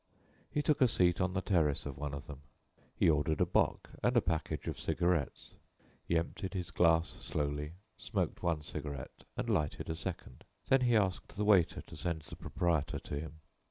He took a seat on the terrace of one of them. He ordered a bock and a package of cigarettes. He emptied his glass slowly, smoked one cigarette and lighted a second. Then he asked the waiter to send the proprietor to him.